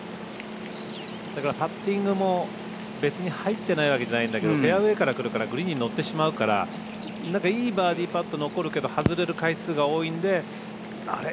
だからパッティングも別に入ってないわけじゃないんだけどフェアウエーから来るからグリーンに乗ってしまうからいいバーディーパット残るけど外れる回数が多いんであれ？